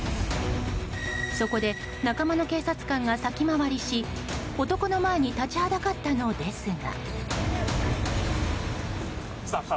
そこで、仲間の警察官が先回りし男の前に立ちはだかったのですが。